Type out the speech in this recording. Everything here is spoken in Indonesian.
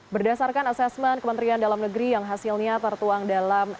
berdasarkan asesmen kementerian dalam negeri yang hasilnya tertuang dalam